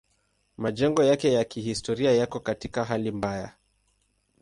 Majengo yake ya kihistoria yako katika hali mbaya.